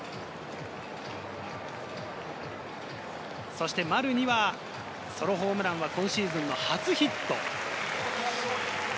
そして丸にはソロホームラン、今シーズン初ヒット。